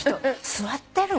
座ってるわ」